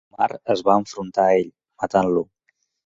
Omar es va enfrontar a ell, matant-lo.